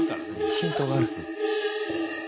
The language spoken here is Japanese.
「ヒントがある」